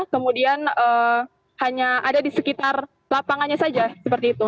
kemudian hanya ada di sekitar lapangannya saja seperti itu